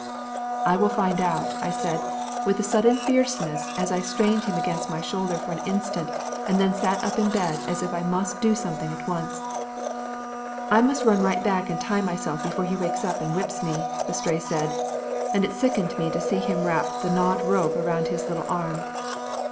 "I'll find out," I said with a sudden fierceness as I strained him against my shoulder for an instant and then sat up in bed as if I must do something at once. "I must run right back and tie myself before he wakes up and whips me," the Stray said, and it sickened me to see him wrap the gnawed rope around his little arm.